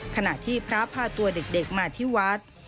ขณะที่พระพาตัวเด็กมาที่วัด